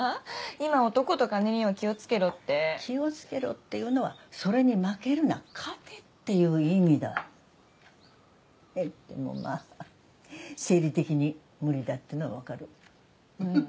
今男と金には気をつけろって気をつけろっていうのはそれに負けるな勝てっていう意味だでもまあ生理的に無理だっていうのはわかるうん